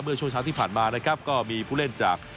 ช่วงเช้าที่ผ่านมานะครับก็มีผู้เล่นจาก